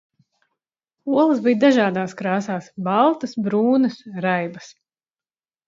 Olas bija dažādās krāsās, baltas, brūnas, raibas.